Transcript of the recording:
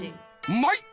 うまい！